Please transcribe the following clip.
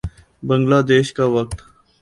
بنگلہ دیش کا وقت